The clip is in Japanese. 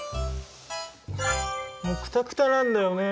もうクタクタなんだよね。